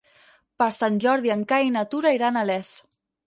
Per Sant Jordi en Cai i na Tura iran a Les.